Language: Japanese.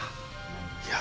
いや。